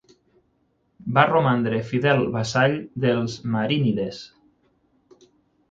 Va romandre fidel vassall dels marínides.